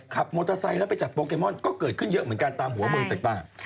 ขับมอเตอร์ไซค์แล้วไปจับโปเกมอนก็เกิดขึ้นเยอะเหมือนกันตามหัวเมืองต่าง